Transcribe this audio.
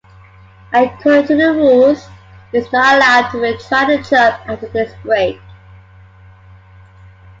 According to the rules, he was not allowed to retry the jump after this break.